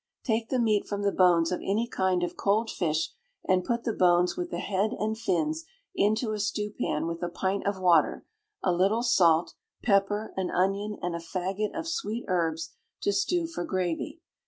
Take the meat from the bones of any kind of cold fish, and put the bones with the head and fins into a stewpan with a pint of water, a little salt, pepper, an onion, and a faggot of sweet herbs, to stew for gravy.